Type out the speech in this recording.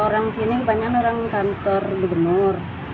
orang sini banyak orang kantor di genur